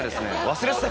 忘れてた。